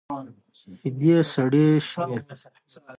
شيدې سرې شوې.